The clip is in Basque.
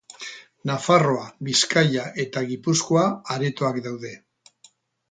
Nafarroa, Bizkaia eta Gipuzkoa aretoak daude.